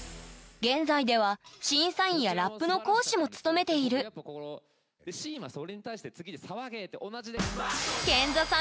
現在では審査員やラップの講師も務めているそれに対して。